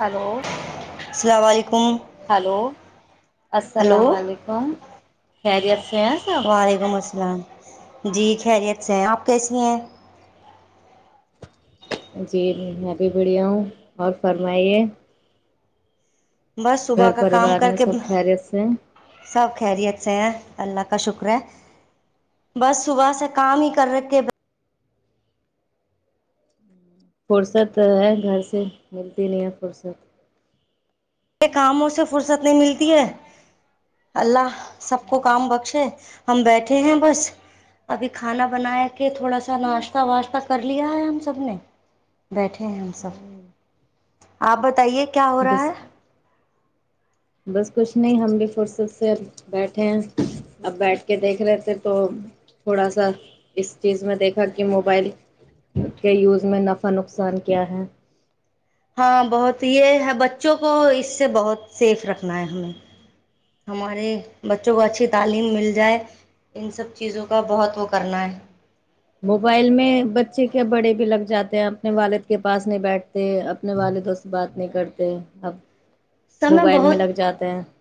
hello السلام علیکم hello hello السلام علیکم خیریت س صاب وعلیکم السلام جی خیریت سے ہیں آپ کیسی ہیں جی میں بھی بڑھیا ہوں اور فرمائیے بس صبح گھر کا کام پریوار کر میں کے سب خیریت سے ہیں سب خیریت سے ہیں اللہ کا شکر ہے بس صبح سے کام ہی اچھا کر رکھ کے ب فرصت ہے گھر سے ملتی نہیں ہے فرصت کے کاموں سے فرصت نہیں ملتی ہے اللہ سب کو کام بخشے ہم بیٹھے ہیں بس ابھی کھانا بنایا [unintelligible] پ تھوڑا سا ناشتہ واشہ کر لیا ہے ہم سے [unintelligible] سبنے [unintelligible] بیٹھے ہیں ہم سب ہوں، [unintelligible] آپ بتائیے کیا ہو رہا بس ہے [unintelligible] بس کچھ نہیں ہم بھی فرصت سے بیٹھے ہیں اب بیٹھ کے دیکھ رہے تھے تو تھوڑا سا اس چیز میں دیکھا کہ موبائل کے یوز میں نفع نقصان کیا ہے [unintelligible] ہاں بہت یہ بچوں کو اس سے بہت سیف رکھنا ہے ہمیں ہمارے بچوں کو اچھی تعلیم مل جائے ان سب چیزوں کا بہت وہ کرنا ہے [unintelligible] موبائل میں بچے کے بڑے بھی لگ جاتے ہیں اپنے والد کے پاس نہیں بیٹھتے اپنے والدوں سے بات نہیں کرتے اب [unintelligible] سمے موبائل بہت میں لگ جاتے ہیں [unintelligible]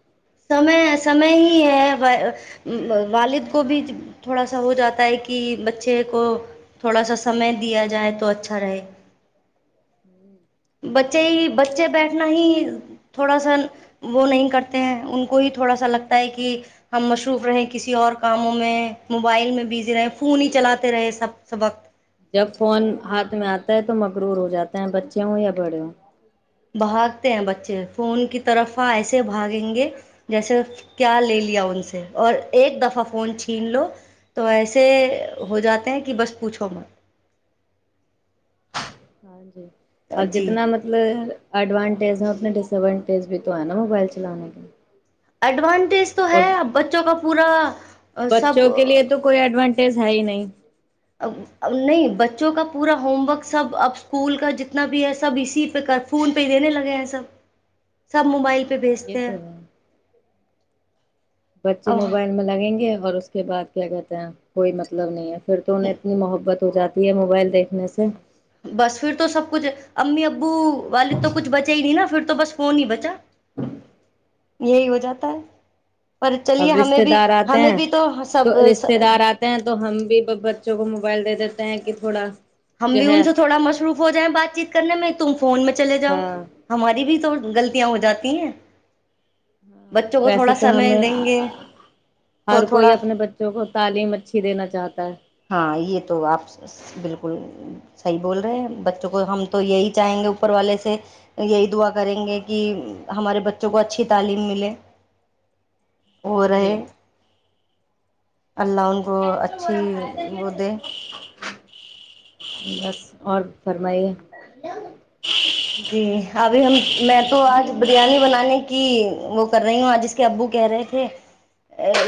سمے سمے ہی ہے والد کو بھی تھوڑا سا ہو جاتا ہے کہ بچے کو تھوڑا سا سمے دیا جائے تو اچھا رہے [unintelligible] بچے ہی بچے بیٹھنا ہی تھوڑا سا وہ نہیں کرتے ہیں ان کو ہی تھوڑا سا لگتا ہے کہ ہم مصروف رہے کسی اور کاموں میں موبائل میں بزی رہے فون ہی چلاتے رہے سب سے وقت [unintelligible] جب فون ہاتھ میں آتا ہے تو مغرور ہو جاتا ہے بچے ہوں یا بڑے ہوں [unintelligible] بھاگتے ہیں بچے فون کی طرفہ ایسے بھاگیں گے جیسے کیا لے لیا ان سے اور ایک دفعہ فون چھین لو تو ایسے ہو جاتے ہیں کہ بس پوچھو مت [unintelligible] ہاں جی [unintelligible] اب جی جتنا مطلب ایڈوانٹیج ہیں اتنا ڈسڈان [unintelligible] ز بھی تو ہے نا موبائل چلانے کے [unintelligible] اڈوان [unintelligible] ٹیس تو اور ہےب بچوں کا [unintelligible] پورا سب بچوں کے لیے تو کوئی ایڈوانٹی [unintelligible] س ہے ہی نہیں [unintelligible] ا نہیں بچوں کا پورا ہوم ورک سب اب اسکول کا جتنا بھی ہے سب اسی پہ کر فون پہ ہی دینے لگے ہیں سب سب موبائل پہ پہ ہاں یہ بھیجتے ہیں تو ہے [unintelligible] بچے اب موبائل میں لگیں گے [unintelligible] اور اس کے بعد کیا کہتے ہیں کوئی مطلب نہیں ہے [unintelligible] پھر تو انہیں اپنی محبت [unintelligible] تو جاتی ہے موبائل دیکھنے سے [unintelligible] بس پھر تو سب کچھ امی ابو [unintelligible] بو والد تو کچھ بچے ہی نہیں نا پھر [unintelligible] تو بس فون ہی بچا [unintelligible] یہی ہو جاتا ہے [unintelligible] اب چلیے ہمیں رشتے بھی دار آتے ہمیں ہیں بھی تو سب رشتے دار آتے ہیں تو ہم بھی بچوں کو موبائل دے دیتے [unintelligible] کہ تھوڑا [unintelligible] ہم بھی ہے ان سے تھوڑا مصروف ہو جائیں بات چیت کرنے میں تم فون میں چلے جاؤ ہاں ہماری بھی تو غلطیاں ہو جاتی ہیں [unintelligible] ہاں بچوں کو ویسے تھوڑا تو سمے ہمیں دیں گے تو ہر کوئی تھوڑا اپنے بچوں کو تعلیم اچھی دینا چاہتا ہے ہاں یہ تو آپ بالکل صحیح بول رہے ہیں بچوں کو ہم تو یہی چاہیں گے اوپر والے سے یہی دعا کریں گے کہ ہمارے بچوں کو اچھی تعلیم ملے [unintelligible] وہ رہے جی [unintelligible] اللہ ان کو اچھی وہ دے بس اور فرمائیے [unintelligible] جی ابھی ہم میں تو آج بریانی بنانے کی وہ کر رہی ہوں آ جس کے ابو کہہ رہے تھے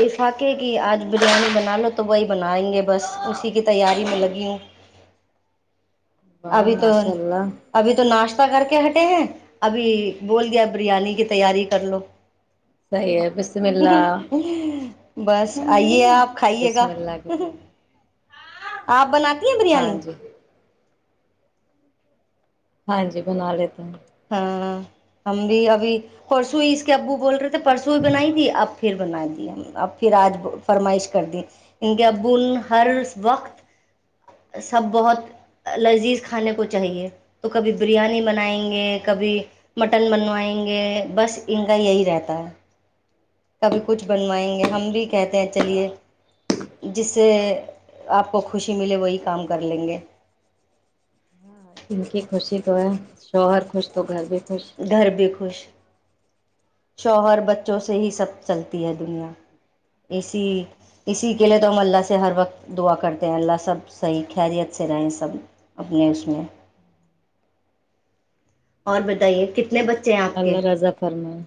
افاقے کے کہ آج بریانی بنا لو تو وہی بنائیں گے بس اسی کی تیاری میں لگی ہوں [unintelligible] واہ ابھی تو ماشاء اللہ ابھی تو ناشت کر کے ہٹے ہیں ابھی [unintelligible] بول گیا بریانی کتنی [unintelligible] تیاری کر لو صحیح ہے بسم اللہ [unintelligible] بس آئیے آپ کھائیے گا بسم اللہ کی تو آپ بناتی ہیں ہاں بریانی جی ہاں جی بنا لیتا ہوں ہاں ہم بھی ابھی پرسوئی اس کے ابو بول رہے [unintelligible] پرسوں بھی بنائی تھی اب پھر بنا دیا اب پھر آج فرمائش کر دی ان کے ابو ہر وقت سب بہت لذیذ کھانے کو چاہیے تو کبھی بریانی بنائیں گے [unintelligible] کبھی مٹن بنوائیں گے بس ان کا یہی رہتا ہے [unintelligible] کبھی کچھ بنوائیں گے ہم بھی کہتے ہیں چلیے جس سے آپ کو خوشی ملے وہی کام کر لیں گے ان کی خوشی تو ہے شوہر خوش تو گھر بھی خوش گھر بھی خوش [unintelligible] شوہر بچوں سے ہی سب چلتی ہے دنیا اسی اسی کے لیے تو ہم اللہ سے ہر وقت دعا کرتے ہیں اللہ سب صحیح خیریت سے رہیں سب اپنے اس میں اور بتائیے کتنے [unintelligible] آپ کے اللہ رضا فرم [unintelligible] ا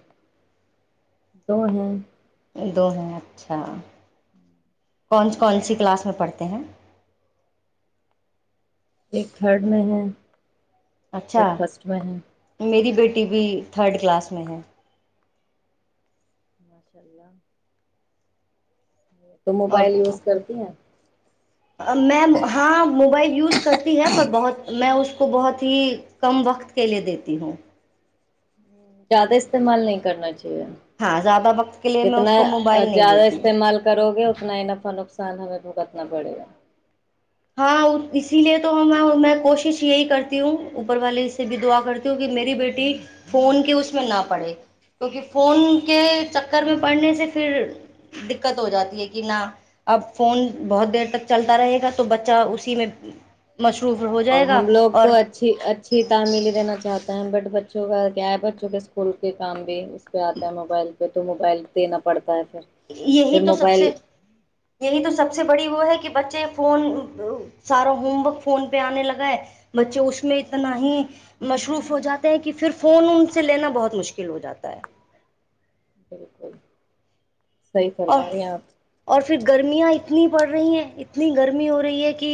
تو ہے [unintelligible] دو ہیں اچھا کون کون سی کلاس میں پڑھتے ہیں [unintelligible] ایک گھرڈ میں ہیں [unintelligible] اچھا بریک فاسٹ میں ہے میری [unintelligible] بیٹی بھی تھرڈ کلاس میں ہے [unintelligible] ماشاء اللہ [unintelligible] تو اور موبائل یوز کرتی ہیں میں ہاں موبائل یوز کرتی ہے پر بہت میں اس کو بہت ہی کم وقت کے لیے دیتی ہوں [unintelligible] زیادہ استعمال نہیں کرنا چاہیے ہاں زیادہ وقت کے لیے میں اس جتنا کو موبائل نہیں زیادہ دیتی استعمال کرو گے اتنا ہی نفع نقصان ہمیں [unintelligible] وہکتنا پڑے گا [unintelligible] ہاں اسی لیے تو ہم میں کوشش یہی کرتی ہوں اوپر والے سے بھی دعا کرتی ہوں کہ میری بیٹی فون کے اس میں نہ پڑھے کیونکہ فون کے چکر میں پڑھنے سے پھر دقت ہو جاتی ہے کہ نہ اب فون بہت دیر تک چلتا رہے گا تو بچہ اسی میں [unintelligible] ہو ا جائے گا ہم لوگ تو اور اچھی اچھی تعمیلی دینا چاہتے ہیں بٹ بچوں کا کیا ہے بچوں کے اسکول کے کام بھی [unintelligible] پہ آتا ہے موبائل پہ تو [unintelligible] ول دینا پڑتا ہے [unintelligible] یہی پھر تو سب سے موبائل یہی تو سب سے بڑی وہ ہے کہ بچے فون سارا ہوم ورک فون پہ آنے لگا ہے بچے اس میں اتنا ہی مصروف ہو جاتے ہیں کہ پھر فون ان سے لینا بہت مشکل ہو جاتا ہے [unintelligible] بالکل [unintelligible] اور فرما رہی ہیں آپ اور پھر گرمیاں اتنی بڑھ رہی ہیں اتنی [unintelligible] اتنی گرمی ہو رہی ہے کہ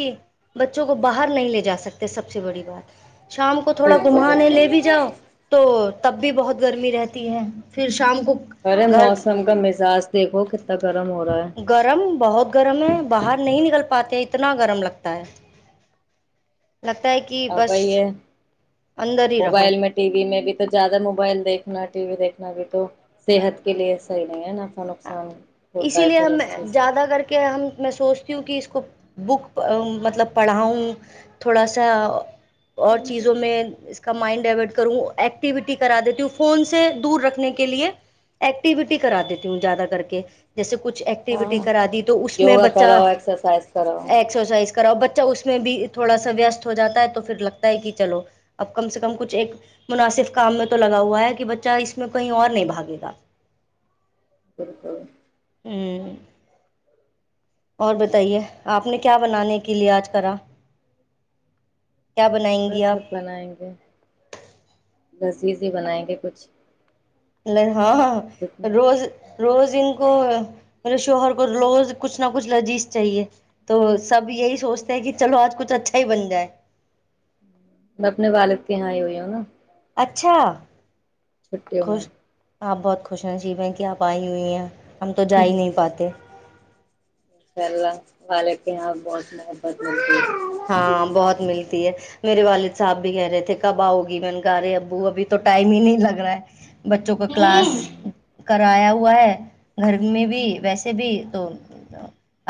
بچوں کو باہر نہیں لے جا سکتے سب سے بڑی بات [unintelligible] شام کو تھوڑا بالکل گھمانے لے بھی بالکل جاؤ تو تب بھی بہت گرمی رہتی ہے پھر شام کو ارے گھر موسم کا مزاج دیکھو کتنا گرم ہو رہا ہے گرم بہت گرم ہے باہر نہیں نکل پاتے کتنا گرم لگتا ہے [unintelligible] کہ ا بس بھائی یہ اندر ہی رہو موبائل میں ٹی وی میں بھی تو زیادہ موبائل دیکھنا ٹی وی دیکھ بھی تو صحت کے لیے صحیح نہیں ہے ناا نقصان [unintelligible] ہوتا اسی ہے لیے پھر ہم اس چیز سے زیادہ کر کے ہم میں سوچتی ہوں کہ اس کو کو بک مطلب پڑھاؤں تھوڑا سا اور چیزوں میں اس کا مائنڈ ڈائورٹ کروں ایکٹیویٹی کرا دیتی ہوں فون سے دور رکھنے کے لیے ایکٹیویٹی کرا دیتی ہوں زیادہ کر کے جیسے [unintelligible] کچھ ایکٹیویٹی ہاں کرا دی تو اس میں یوگا بچہ کراؤ ایکسرسائز کراؤ ایکسرسائز کرؤ بچہ اس میں بھی تھوڑا سا ویستست ہو جاتا ہے تو پھر لگتا ہے کہ چلو اب کم سے کم کچھ ایک مناسب کام میں تو لگا ہوا ہے کہ بچہ اس میں کہیں اور نہیں بھاگے گا [unintelligible] بالک [unintelligible] اوں [unintelligible] اور بتائیے آپ نے کیا بنانے کے لیے آج کرا کیا بنائیں بس گی آپ سب بنائیں گے گھسی سےی بنائیں گے کچھ ال [unintelligible] ہاں ہاں ہاں جتنا روز روز ان [unintelligible] کو میرے شوہر کو روز کچھ نہ کچھ لذیذ چاہیے تو سب یہی سوچتے ہیں کہ چلو آج کچھ اچھا ہی بن جائے [unintelligible] میں اپنے والد کے یہاں ہی ہوئی ہوں نا اچھا [unintelligible] چھٹییوں میں خوش [unintelligible] آپ بہت خوش نصیب ہیں کہ آپ آئی ہوئی ہیں ہم تو جا ہی نہیں پاتے [unintelligible] انشاء اللہ وال کے یہاں بہت محبت ہو [unintelligible] ہاں بہت ملتی ہے [unintelligible] میرے والد صاحب بھی کہہ رہے تھے کب آؤ گی میں نے کہا رہے ابو ابھی تو ٹائم ہی نہیں لگ رہا ہے [unintelligible] بچوں کا کلاس ہے کر [unintelligible] آیا ہوا ہے گھر میں بھی ویسے بھی تو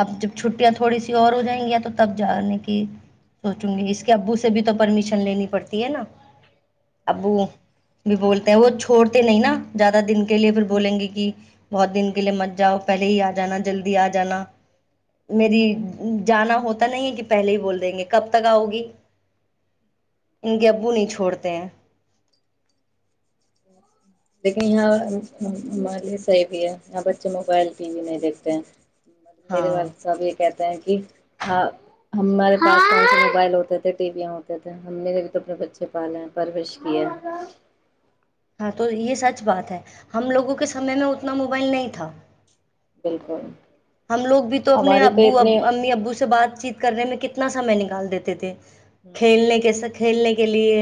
اب جب چھٹیاں تھوڑی سی اور ہو جائیں گی تو تب جانے کے [unintelligible] سوچوں گی اس کے ابو سے بھی تو پرمیشن لینی پڑتی ہے نا ابو بھی بولتے ہیں وہ چھوڑتے نہیں نا زیادہ دن کے لیے پھر بولیں گے کہ بہت دن کے لیے مت جاؤ پہلے ہی آ جانا جلدی آ جانا میری جانا ہوتا نہیں کہ [unintelligible] پہلے ہی بول دیں گے کب تک آؤ گی ان کے ابو نہیں چھوڑتے ہیں [unintelligible] لیکن یہاں ہم یہ صحیح بھی ہے یہاں بچے موبائل ٹی وی نہیں دیکھتے ہیں [unintelligible] میرے ہاں وال سب یہ کہتے [unintelligible] ہاں ہمارے پاس موبائل ہوتے تھے ٹی ویاں ہوتے تھے ہم نے تو اپنے بچے پالے ہیں پرورش کیے [unintelligible] ہاں تو یہ سچ بات ہے ہم لوگوں کے سمے میں اتنا موبائل نہیں تھا [unintelligible] بالکل [unintelligible] ہم لوگ بھی تو اپنے ہمارے تو ابو اتنے ا امی ابو سے بات [unintelligible] چیت کرنے میں کتنا سمے نکال دیتے تھے [unintelligible] کھیلنے کیسے [unintelligible] کھیلنے کے لیے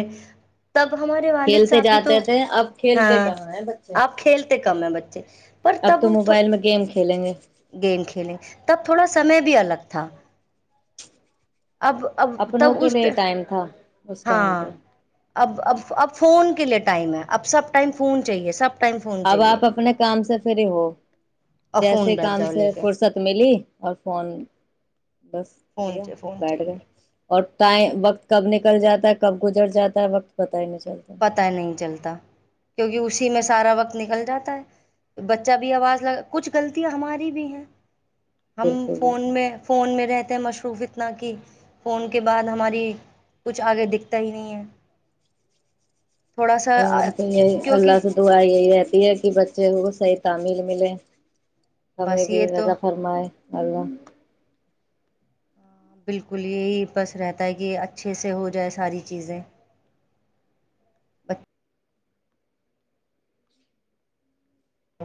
تب ہمارے والد کھیلتے صاحب بھی تو جاتے تھے اب کھیلتے ہاں کہاں ہے بچے آپ کھیلتے کم ہے بچے پر اب تب تو موبائل میں گیم کھیلیں گے گیم کھیلیں تب تھوڑا سمے بھی الگ تھا اب اب اپنوں تب کے اس لیے ٹائم تھا اس ٹائم ہاں پہ [unintelligible] اب اب اب فون کے لیے ٹائم ہے اب سب ٹائم فون چاہیے سب [unintelligible] اب چاہیے آپ اپنے کام سے فری ہو اور فون جیسے بیٹھ کام جاؤ [unintelligible] لے سے کے فرصت ملی [unintelligible] اور فون [unintelligible] بس فون بھیا فون بیٹھ گئے چاہیے اور [unintelligible] وقت کب نکل جاتا ہے کب گزر جاتا ہے وقت پتا [unintelligible] پتا نہیں چلتا کیونکہ اسی میں [unintelligible] سارا وقت نکل جاتا ہے بچہ بھی آواز لگ کچھ غلطیاں ہماری بھی ہیں [unintelligible] ہم بالکل بالکل فون میں فون میں رہتے [unintelligible] مصروف اتنا کہ فون کے بعد ہماری کچھ آگے دکھتا ہی نہیں ہے [unintelligible] تھوڑا سا جام تو یہ کیونکہ اللہ سے دع یہ رہتی [unintelligible] کہ بچے کو صحیح تعمیل ملے [unintelligible] ہمیں بس بھی یہ تو رضا فرمائے [unintelligible] الو ہاں بالکل یہی بس رہتا ہے کہ اچھے سے ہو جائے ساری چیزیں بچ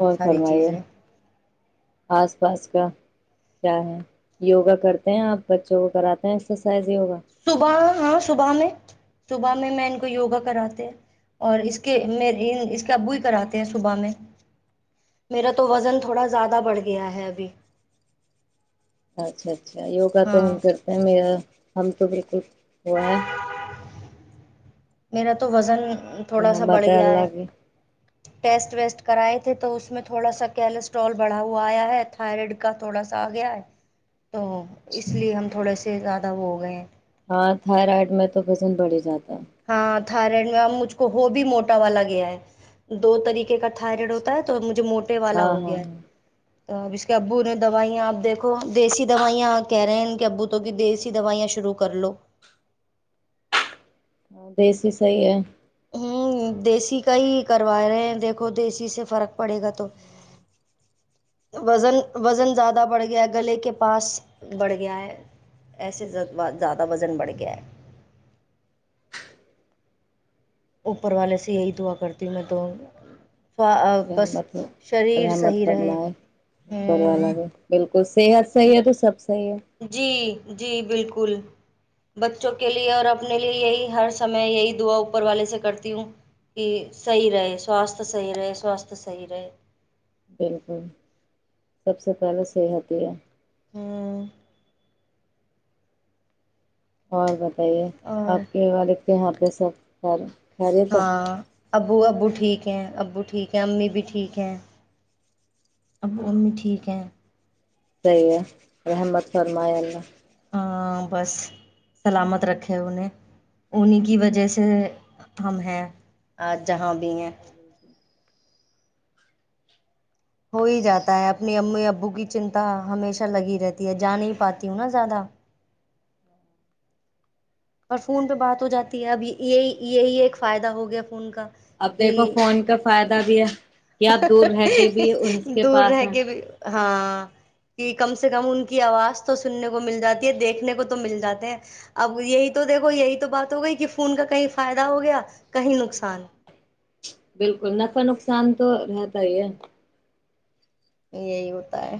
اور ساری فرمائیے چیزیں آس پاس کا کیا ہے یوگا کرتے ہیں آپ بچوں کو کراتے ہیں ایکسرسائز یوگا صبح ہاں صبح میں صبح میں میں ان کو یوگا کراتے اور اس کے م اس کے ابو ہی کراتے ہیں صبح میں میرا تو وزن تھوڑا زیادہ بڑھ گیا ہے ابھی اچھا اچھا یوگا تو ہاں ہم کرتے ہیں میرا ہم تو بالکل وہ ہے میرا تو وزن تھوڑا سا بڑھ رحمت گیا اللہ ہے کی ٹیسٹ ویسٹ کرائے تھے تو اس میں تھوڑا سا کیلسٹرول بڑھا ہوا آیا ہے تھائرائڈ کا تھوڑا سا آ گیا ہے تو اس لیے ہم تھوڑا س ا سے زیادہ وہ ہو گئے ہیں ہاں تھرڈ میں تو وزن بڑھ ہی جاتا ہے ہاں تھائیلینڈ میں ا مجھ کو وہ بھی موٹا والا گیا ہے دو طریقے کاائرائڈ اچھا ہوتا ہے تو اچھا مجھے موٹے والا ہاں ہو ہاں گیا ہے ہاں تو اب اس کے ابو نے دوائیاں آپ دیکھو دیسی دوائیاں کہہ رہے ہیں ابوتوں کی دیسی دوائیاں شروع کر لو ہاں دیسی صحیح ہے ہ دیسی کا ہی کروا رہے ہیں دیکھو دیسی سے فرق پڑے گا تو وزن وزن زیادہ بڑھ گیا ہے گلے کے پاس بڑھ گیا ہے ایسے زیادہ وزن بڑھ گیا ہے اوپر والے سے یہی دعا کرتیوں میں تو بس الحمت شریر رحمت صحیح رہے فرمائےوا ہوں بھی بالکل صحت صحیح ہے تو سب صحیح ہے جی جی بالکل بچوں کے لیے اور اپنے لیے یہی ہر سمے یہی دعا اوپر والے سے کرتی ہوں کہ صحیح رہے سواستھ صحیح رہے سواستھ صحیح رہے بالکل سب سے پہلے صحت ہی ہے ہاں اور بت بتائیے اور آپ کے والے کے یہاں پہ سب سر ہاں ابو ابو ٹھیک ہے ہیں ابو ٹھیک ہیں امی بھی ٹھیک ہیں ابو امی ٹھیک ہیں صحیح ہے رحمت سرما اللہ بس سلامت رکھے انہیں انہیں کی وجہ سے ہم ہیں جہاں بھی ہیں [inaudible] ہو ہی جاتا ہے اپنی امی ابو کی چنتا ہمیشہ لگی رہتی ہے جا نہیں پاتی ہوں نا زیادہ اور فون پہ بات ہو جاتی ہے اب یہی یہی ایک فائدہ ہو گیا فون کا اب دیکھو کہ فون کا فائدہ اپنا بھی ہے کہ آپ دور رہ کے بھی ان کے دور پاس رہ ہیں کے بھی ہاں کہ کم سے کم ان کی آواز تو سننے کو مل جاتی ہے دیکھنے کو تو مل جاتے ہیں اب یہی تو دیکھو یہی تو بات ہو گئی کہ فون کا کہیں فائدہ ہو گیا کہیں نقصان ہاں بالکل نفا نوک شان تو رہتا ہی ہے یہی ہوتا ہے